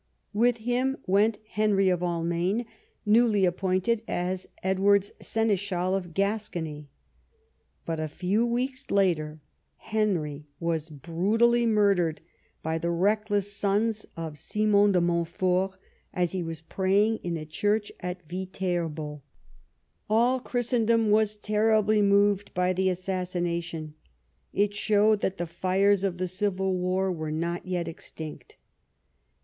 With him went Henry of Almaine, newly appointed as Edward's seneschal of Gascony. But a few weeks later Henry was brutally murdered by the reckless sons of Simon de Montfort, as he was praying in a church at Viterbo. All Christen dom was terril)ly moved by the assassination. It showed that the fires of the civil war were not yet extinct.